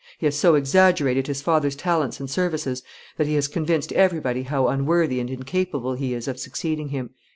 He has so exaggerated his father's talents and services, that he has convinced everybody how unworthy and incapable he is of succeeding him."